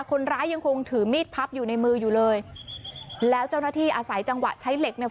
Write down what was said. คนร้ายยังคงถือมีดพับอยู่ในมืออยู่เลยแล้วเจ้าหน้าที่อาศัยจังหวะใช้เหล็กเนี่ย